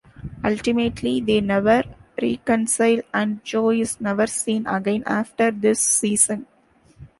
Ultimately, they never reconcile and Joe is never seen again after this season.